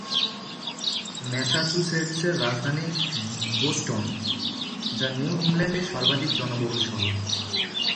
ম্যাসাচুসেটসের রাজধানী বোস্টন, যা নিউ ইংল্যান্ডের সর্বাধিক জনবহুল শহর।